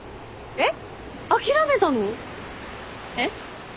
えっ？